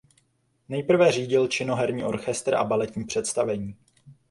Nejprve řídil činoherní orchestr a baletní představení.